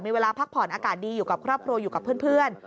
มีเวลาพักผ่อนอากาศดีอยู่กับครอบครัวอยู่กับเพื่อน